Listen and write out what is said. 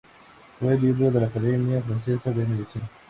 Fue miembro de la Academia Francesa de Medicina.